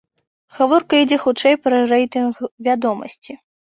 Гаворка ідзе хутчэй пра рэйтынг вядомасці.